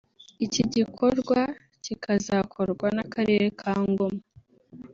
Iki gikorwa kikazakorwa n’Akarere ka Ngoma